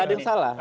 gak ada yang salah